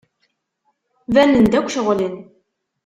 Banen-d akk ceɣlen.